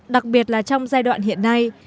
đặc biệt là trong giai đoạn hiện nay